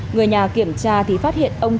người nhà kiểm tra thì phát hiện ông trẻ